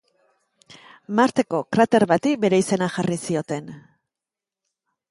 Marteko krater bati bere izena jarri zioten.